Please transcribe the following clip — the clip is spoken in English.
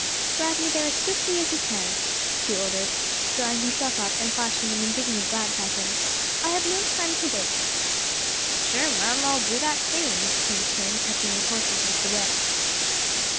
"Drive me there as quickly as you can," she ordered, drawing herself up and flashing an indignant glance at him. "I have no time to waste." "Sure, mum, I'll do that same," he returned, touching his horses with the whip.